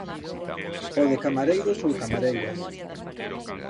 O de camareiros ou camareiras.